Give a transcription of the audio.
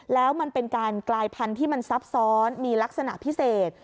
แล้วมันเป็นการกลายพันธุ์ที่มันซับซ้อนมีลักษณะพิเศษ